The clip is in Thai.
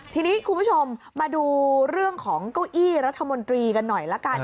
ทีนี้คุณผู้ชมมาดูเรื่องของเก้าอี้รัฐมนตรีกันหน่อยละกัน